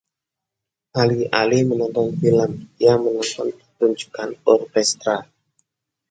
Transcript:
alih-alih menonton film, ia menonton pertunjukan orkestra